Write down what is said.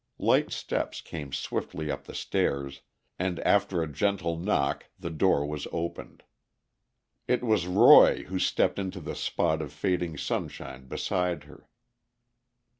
Light steps came swiftly up the stairs, and after a gentle knock the door was opened. It was Roy who stepped into the spot of fading sunshine beside her.